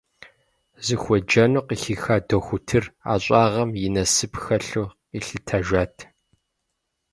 Зыхуеджэну къыхиха дохутыр ӏэщӏагъэм и насып хэлъу къилъытэжат.